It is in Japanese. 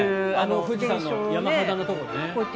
富士山の山肌のところね。